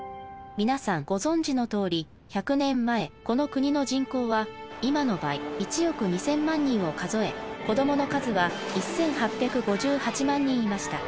皆さんご存じのとおり１００年前この国の人口は今の倍１億２，０００万人を数え子どもの数は１，８５８万人いました。